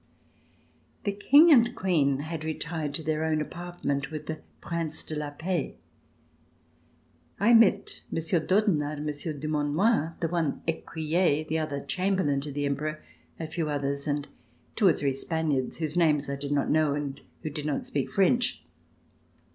The King and Queen had retired to their own apart ment with the Prince de la Paix. I met Monsieur d'Audenarde and Monsieur Dumanoir, the one ecuyer, the other chamberlain of the Emperor, a few others, and two or three Spaniards whose names I did not know and who did not speak French.